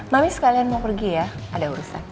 mami sekalian mau pergi ya ada urusan